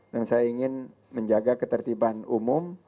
dan saya ingin menjaga ketertiban umum